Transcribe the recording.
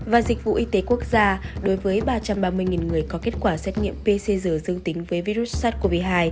và dịch vụ y tế quốc gia đối với ba trăm ba mươi người có kết quả xét nghiệm pcr dương tính với virus sars cov hai